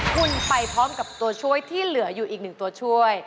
คุณไปพร้อมกับตัวช่วยที่เหลืออยู่อีกหนึ่งตัวช่วย